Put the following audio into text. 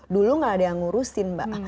dulu gak ada yang ngurusin mbak